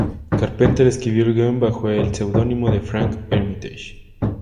Carpenter escribió el guion bajo el pseudónimo de Frank Armitage.